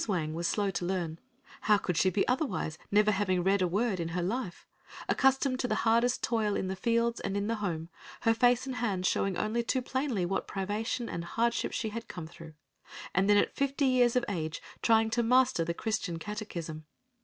Wang was slow to learn. How could she be otherwise, never having read a word in her life, accustomed to the hardest toil in the fields and in the home, her face and hands showing only too plainly what privation and hardship she had come through, and then at fifty years of age trying to master the Christian Catechism.